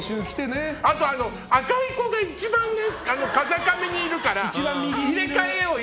赤い子が一番風上にいるから入れ替えよう。